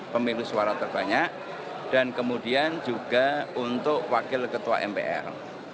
pemilu suara terbanyak dan kemudian juga untuk wakil ketua mpr